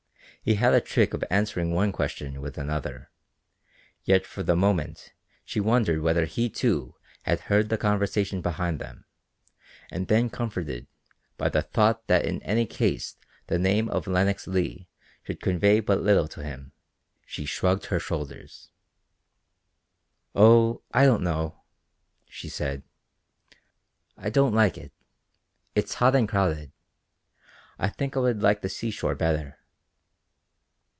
He had a trick of answering one question with another, yet for the moment she wondered whether he too had heard the conversation behind them, and then comforted by the thought that in any case the name of Lenox Leigh could convey but little to him, she shrugged her shoulders. "Oh, I don't know," she said; "I don't like it; it's hot and crowded. I think I would like the seashore better."